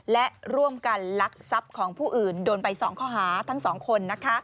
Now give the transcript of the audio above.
และร่วมกันลักทรัพย์ของผู้อื่นโดนไป๒ข้อหาทั้ง๒คน